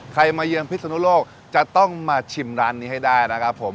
มาเยือนพิศนุโลกจะต้องมาชิมร้านนี้ให้ได้นะครับผม